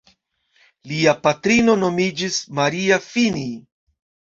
Lia patrino nomiĝis Maria Fini.